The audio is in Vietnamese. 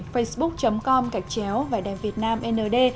facebook com cạch chéo và đài việt nam nd